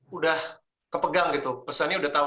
sudah kepegang gitu pesannya sudah tahu